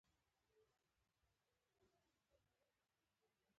په ده ځکه ددې غوښې بوی بد لګي.